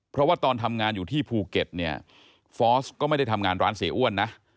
เพราะว่าตอนทำงานอยู่ที่ภูเก็ตเนี่ยฟอร์สก็ไม่ได้ทำงานร้านเสียอ้วนนะ